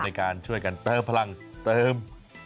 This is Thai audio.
ในการช่วยกันเติมพลังเติม